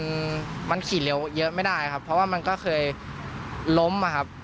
มันมันขี่เร็วเยอะไม่ได้ครับเพราะว่ามันก็เคยล้มอะครับ